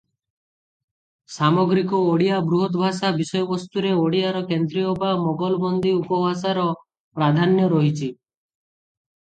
ସାମଗ୍ରିକ ଓଡ଼ିଆ ବୃହତ ଭାଷା ବିଷୟବସ୍ତୁରେ ଓଡ଼ିଆର କେନ୍ଦ୍ରୀୟ ବା ମୋଗଲବନ୍ଦୀ ଉପଭାଷାର ପ୍ରାଧାନ୍ୟ ରହିଛି ।